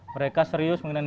mereka serius mengenalimu